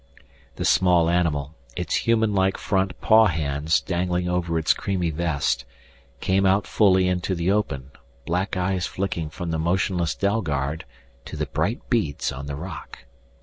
The small animal, its humanlike front pawhands dangling over its creamy vest, came out fully into the open, black eyes flicking from the motionless Dalgard to the bright beads on the rock.